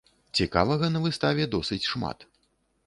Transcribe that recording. Цікавага на выставе досыць шмат.